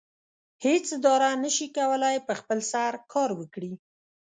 هیڅ اداره نشي کولی په خپل سر کار وکړي.